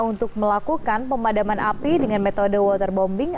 untuk melakukan pemadaman api dengan metode waterbombing